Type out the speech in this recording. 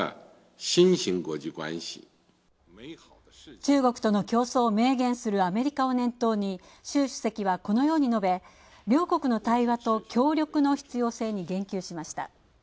中国との競争を名言するアメリカを念頭に習主席はこのように述べ両国の対話と協力の必要性に言及しました。